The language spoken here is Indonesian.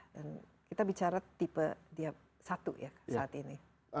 dan kita bicara tipe satu ya saat ini